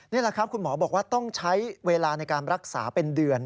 นี่แหละครับคุณหมอบอกว่าต้องใช้เวลาในการรักษาเป็นเดือน